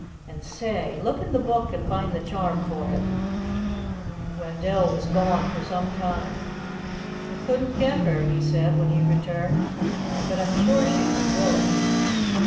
And say, look in the Book and find the charm for it." Wendell was gone for some time. "I couldn't get her," he said when he returned. "But I'm sure she'll be willing.